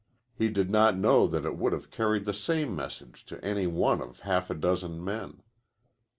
He did not know that it would have carried the same message to any one of half a dozen men.